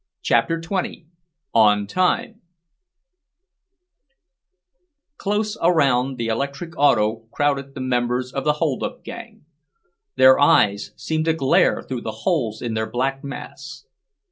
CHAPTER XX ON TIME Close around the electric auto crowded the members of the hold up gang. Their eyes seemed to glare through the holes in their black masks.